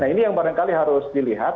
nah ini yang barangkali harus dilihat